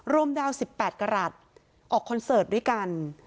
รวมดาวน์๑๘กระหลัดออกคอนเสิร์ตด้วยกัน